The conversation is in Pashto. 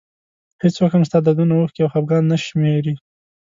هېڅوک هم ستا دردونه اوښکې او خفګان نه شمېري.